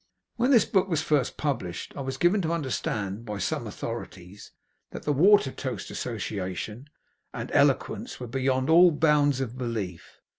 When this book was first published, I was given to understand, by some authorities, that the Watertoast Association and eloquence were beyond all bounds of belief.